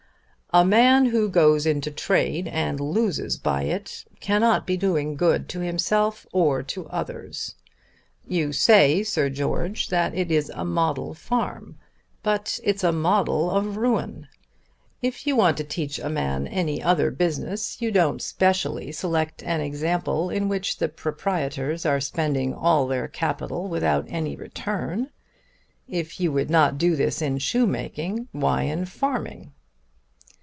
"A man who goes into trade and loses by it, cannot be doing good to himself or to others. You say, Sir George, that it is a model farm; but it's a model of ruin. If you want to teach a man any other business, you don't specially select an example in which the proprietors are spending all their capital without any return. And if you would not do this in shoemaking, why in farming?"